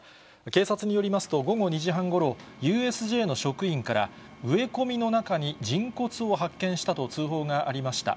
警察によりますと、午後２時半ごろ、ＵＳＪの職員から、植え込みの中に人骨を発見したと通報がありました。